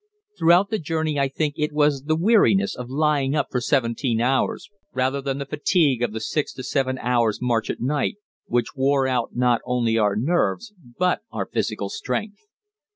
Throughout the journey I think it was the weariness of lying up for seventeen hours, rather than the fatigue of the six to seven hours' march at night, which wore out not only our nerves but our physical strength.